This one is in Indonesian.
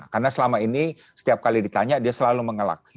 karena selama ini setiap kali ditanya dia selalu mengelak